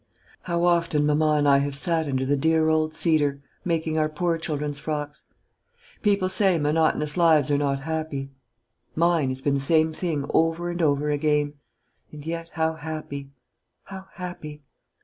"How often mamma and I have sat under the dear old cedar, making our poor children's frocks! People say monotonous lives are not happy: mine has been the same thing over and over again; and yet how happy, how happy!